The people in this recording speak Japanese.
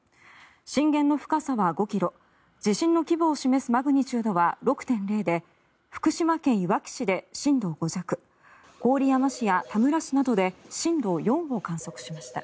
震源の深さは５ｋｍ地震の規模を示すマグニチュードは６．０で福島県いわき市で震度５弱郡山市や田村市などで震度４を観測しました。